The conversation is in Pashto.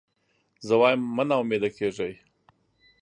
زه وایم مه نا امیده کېږی.